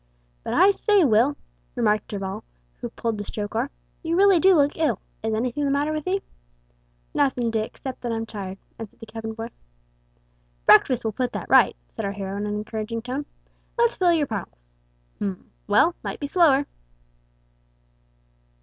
"But I say, Will," remarked Darvall, who pulled the stroke oar, "you really do look ill. Is anything the matter with 'ee?" "Nothin', Dick; 'cept that I'm tired," answered the cabin boy. "Breakfast will put that right" said our hero in an encouraging tone. "Let's feel your pulse. Hm. Well, might be slower.